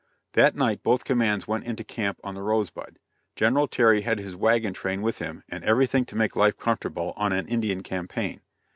That night both commands went into camp on the Rosebud. General Terry had his wagon train with him, and everything to make life comfortable on an Indian campaign.